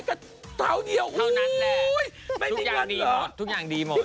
คนเลานี่น้อยเอ้าโอ้โกรธเขานี่น้อย